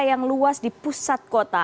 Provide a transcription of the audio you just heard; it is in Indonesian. yang luas di pusat kota